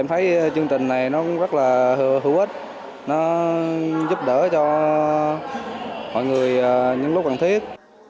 em thấy chương trình này nó cũng rất là hữu ích nó giúp đỡ cho mọi người những lúc cần thiết